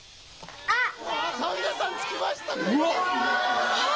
あっ！